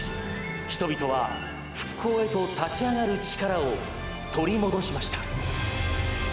人々は復興へと立ち上がる力を取り戻しました。